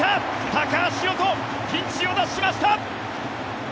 高橋宏斗、ピンチを脱しました！